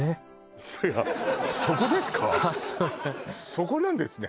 そこなんですね